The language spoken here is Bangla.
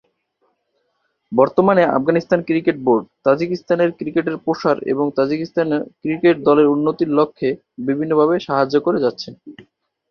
বর্তমানে আফগানিস্তান ক্রিকেট বোর্ড, তাজিকিস্তানে ক্রিকেটের প্রসার এবং তাজিকিস্তান ক্রিকেট দলের উন্নতির লক্ষ্যে বিভিন্নভাবে সাহায্য করে যাচ্ছে।